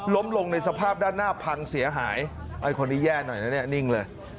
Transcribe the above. ลงในสภาพด้านหน้าพังเสียหายไอ้คนนี้แย่หน่อยนะเนี่ยนิ่งเลย